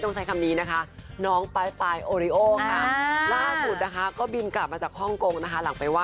ต้องใส่คำนี้นะคะ